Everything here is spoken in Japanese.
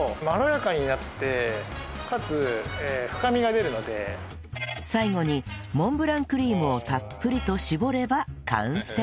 理由としては最後にモンブランクリームをたっぷりと絞れば完成